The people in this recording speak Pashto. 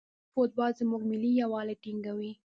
فوټبال زموږ ملي یووالی ټینګوي.